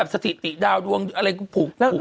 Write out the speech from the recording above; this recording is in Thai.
แล้วสถิติดาวรุ้งอะไรกว่า